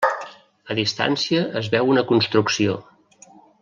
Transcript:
A distància es veu una construcció.